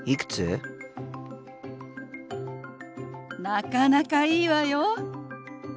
なかなかいいわよ。